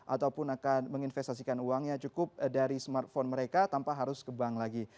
ataupun akan menginvestasikan uangnya cukup dari smartphone mereka tanpa harus ke bank lagi